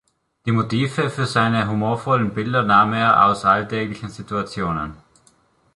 Die Motive für seine humorvollen Bilder nahm er aus alltäglichen Situationen.